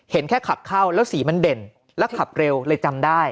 เห็นแค่ขับเข้าแล้วสีมันเด่นแล้วขับเร็วเลยจำได้